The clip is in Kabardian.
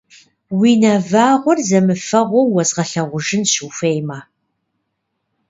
Уи нэвагъуэр зэмыфэгъуу уэзгъэлъэгъужынщ, ухуеймэ!